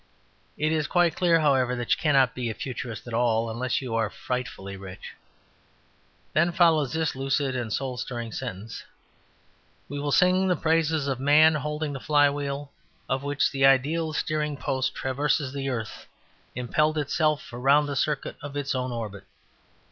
It is quite clear, however, that you cannot be a Futurist at all unless you are frightfully rich. Then follows this lucid and soul stirring sentence: "5. We will sing the praises of man holding the flywheel of which the ideal steering post traverses the earth impelled itself around the circuit of its own orbit."